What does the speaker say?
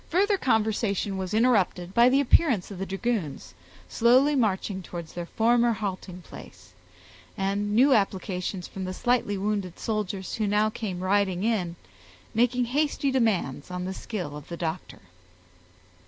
Further conversation was interrupted by the appearance of the dragoons, slowly marching towards their former halting place, and new applications from the slightly wounded soldiers, who now came riding in, making hasty demands on the skill of the doctor.